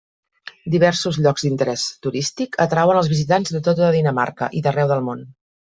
Diversos llocs d'interès turístic atrauen els visitants de tota Dinamarca i d'arreu del món.